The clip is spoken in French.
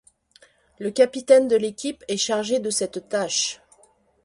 Le capitaine de l’équipe est chargé de cette tâche.